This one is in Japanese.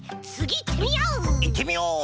いってみよう！